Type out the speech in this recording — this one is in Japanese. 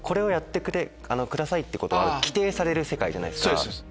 そうです。